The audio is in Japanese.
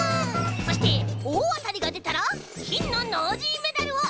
そしておおあたりがでたらきんのノージーメダルをあげちゃいます。